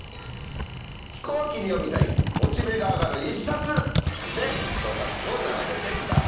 飛行機で読みたいモチベが上がる１冊でゴタクを並べてください。